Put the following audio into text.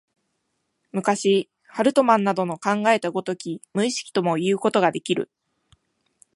昔、ハルトマンなどの考えた如き無意識ともいうことができる。